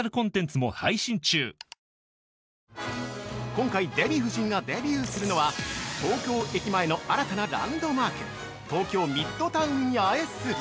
◆今回、デヴィ夫人がデビューするのは東京駅前の新たなランドマーク東京ミッドタウン八重洲。